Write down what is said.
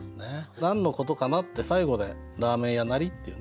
何のことかなって最後で「ラーメン屋なり」っていうね。